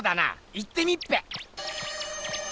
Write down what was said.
行ってみっぺ！